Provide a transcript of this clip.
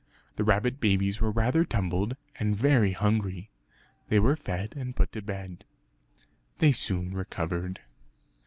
The rabbit babies were rather tumbled and very hungry; they were fed and put to bed. They soon recovered.